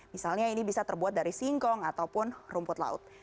misalnya ini bisa terbuat dari singkong ataupun rumput laut